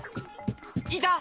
いた！